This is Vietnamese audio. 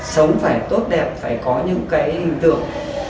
sống phải tốt đẹp phải có những cái hình tượng